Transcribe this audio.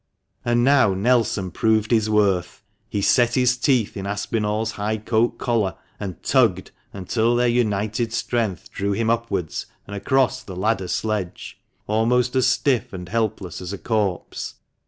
And now Nelson proved his worth. He set his teeth in Aspinall's high coat collar, and tugged until their united strength drew him upwards and across the ladder sledge, almost as stiff and helpless as a corpse.